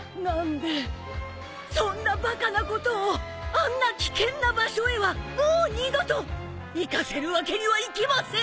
あんな危険な場所へはもう二度と行かせるわけにはいきません！